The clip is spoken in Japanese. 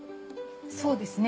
そうですね。